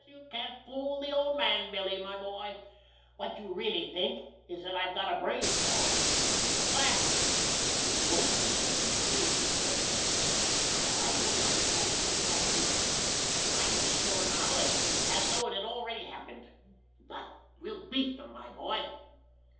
You can't fool the old man, Billy, my boy! What you really think is that I've got a brain storm. But"—his voice grew suddenly grave and agitated—"I know I'm right, Billy—I feel it. I'm as sure now, as though it had already happened. But we'll beat them, my boy!